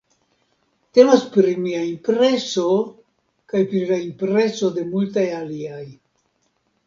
Temas pri mia impreso kaj pri la impreso de multaj aliaj.